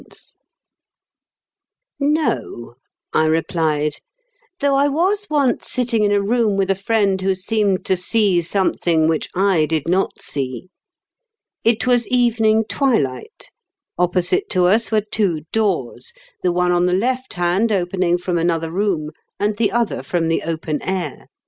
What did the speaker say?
A MYSTERIOUS INCIDENT. 169 " No/' I replied; " though I was once sitting in a room with a friend who seemed to see something which I did not see. It was evening twilight. Opposite to us were two doors, the one on the left hand opening from another room, and the other from the open air.